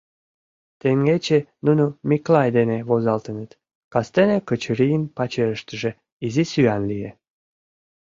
Теҥгече нуно Миклай дене возалтыныт, кастене Качырийын пачерыштыже изи сӱан лие.